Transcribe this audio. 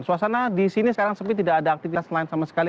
suasana di sini sekarang sepi tidak ada aktivitas lain sama sekali